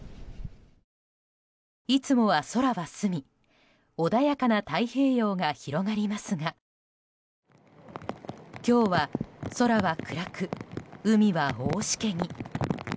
いつもは空は澄み穏やかな太平洋が広がりますが今日は空は暗く、海は大しけに。